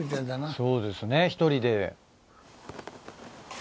そうですね１人で。